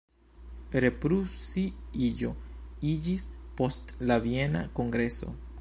Reprusi-iĝo iĝis post la Viena kongreso.